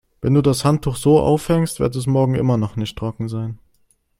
Wenn du das Handtuch so aufhängst, wird es morgen immer noch nicht trocken sein.